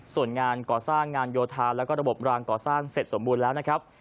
ส่วนงานก่อสร้างงานโยธาแล้วก็ระบบรางก่อสร้างเสร็จสมบูรณ์แล้วนะครับ